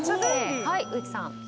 はい植木さん。